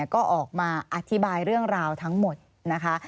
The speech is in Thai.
ก็ออกมาอธิบายเรื่องราวทั้งหมดนะคะ